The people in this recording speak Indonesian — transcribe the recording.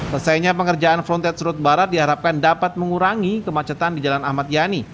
selesainya pengerjaan frontage road barat diharapkan dapat mengurangi kemacetan di jalan ahmad yani